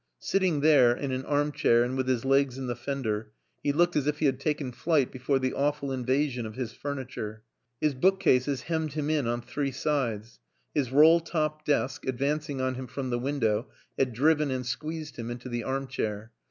Sitting there, in an arm chair and with his legs in the fender, he looked as if he had taken flight before the awful invasion of his furniture. His bookcases hemmed him in on three sides. His roll top desk, advancing on him from the window, had driven and squeezed him into the arm chair.